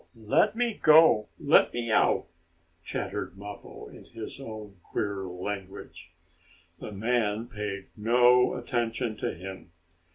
"Let me go! Let me out!" chattered Mappo, in his own, queer language. The man paid no attention to him.